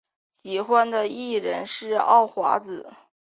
喜欢的艺人是奥华子。